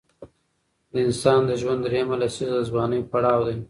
د انسان د ژوند دریمه لسیزه د ځوانۍ پړاو دی.